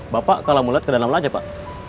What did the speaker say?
bapak kalau mau lihat ke dalam aja pak